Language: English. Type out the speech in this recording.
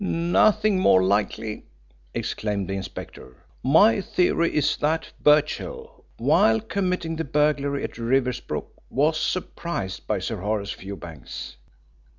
"Nothing more likely," exclaimed the inspector. "My theory is that Birchill, while committing the burglary at Riversbrook, was surprised by Sir Horace Fewbanks.